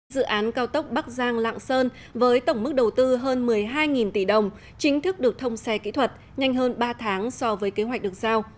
dự án cao tốc bắc giang lạng sơn với tổng mức đầu tư hơn một mươi hai tỷ đồng chính thức được thông xe kỹ thuật nhanh hơn ba tháng so với kế hoạch được giao